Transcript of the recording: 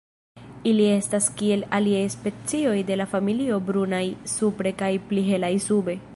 Ili estas kiel aliaj specioj de la familio brunaj supre kaj pli helaj sube.